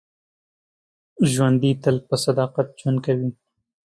ژوندي تل په صداقت ژوند کوي